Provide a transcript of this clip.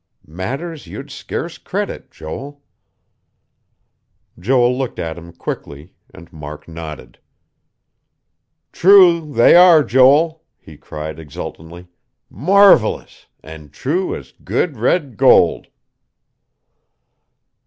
Matters you'd scarce credit, Joel." Joel looked at him quickly, and Mark nodded. "True they are, Joel," he cried exultantly. "Marvelous and true as good, red gold."